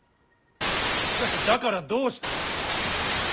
しかしだからどうした。